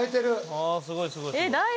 ああすごいすごい。